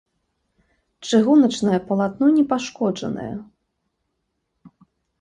Чыгуначнае палатно не пашкоджанае.